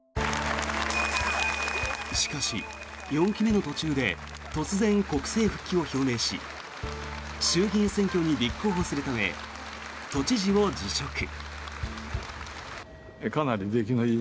しかし、４期目の途中で突然、国政復帰を表明し衆議院選挙に立候補するため都知事を辞職。